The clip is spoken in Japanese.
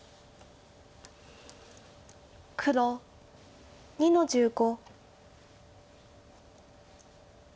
黒２の十五。